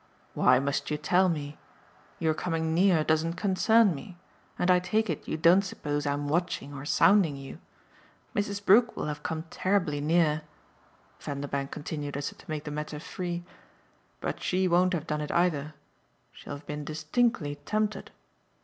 "Why must you tell me? Your coming 'near' doesn't concern me, and I take it you don't suppose I'm watching or sounding you. Mrs. Brook will have come terribly near," Vanderbank continued as if to make the matter free; "but she won't have done it either. She'll have been distinctly tempted